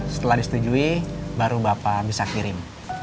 setelah disetujui baru bapak bisa kirim